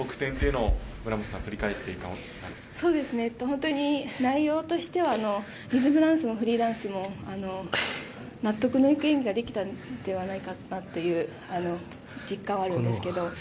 本当に内容としてはリズムダンスもフリーダンスも納得のいく演技ができたんではないかなという実感はあるんですけど。